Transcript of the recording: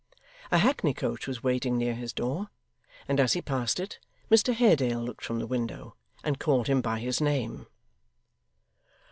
A hackney coach was waiting near his door; and as he passed it, Mr Haredale looked from the window and called him by his name.